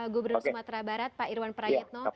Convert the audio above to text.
gubernur sumatera barat pak irwan prayetno